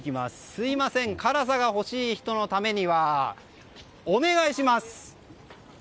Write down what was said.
すみません辛さが欲しい人のためにはお願いします！